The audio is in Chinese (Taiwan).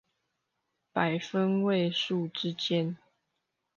百分位數之間